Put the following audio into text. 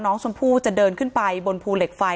น้องชมพู่จะเดินขึ้นไปบนภูเหล็กไฟ